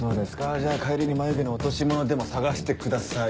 じゃあ帰りに眉毛の落し物でも捜してください。